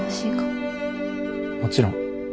もちろん。